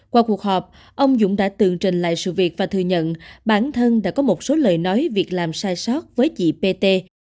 qua cuộc họp ông dũng đã tường trình lại sự việc và thừa nhận bản thân đã có một số lời nói việc làm sai sót với chị pt